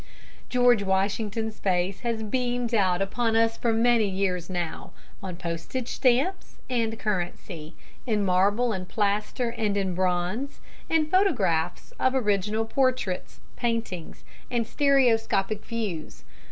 ] George Washington's face has beamed out upon us for many years now, on postage stamps and currency, in marble and plaster and in bronze, in photographs of original portraits, paintings, and stereoscopic views.